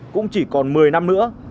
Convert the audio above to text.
cũng chỉ còn một mươi năm nữa